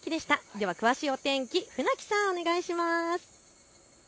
では詳しい天気、船木さんお願いします。